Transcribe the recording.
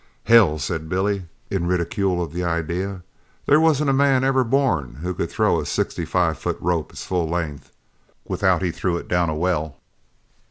"Hell," said Billy, in ridicule of the idea, "there wasn't a man ever born who could throw a sixty five foot rope its full length without he threw it down a well."